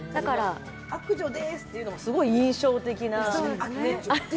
「悪女です」って言うのも、すごく印象的な。